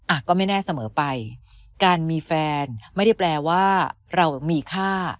อ่ะก็ไม่แน่เสมอไปการมีแฟนไม่ได้แปลว่าเรามีค่า